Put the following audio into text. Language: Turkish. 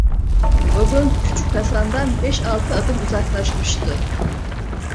Vagon küçük Hasan'dan beş altı adım uzaklaşmıştı.